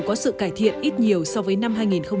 có sự cải thiện ít nhiều so với năm hai nghìn hai mươi ba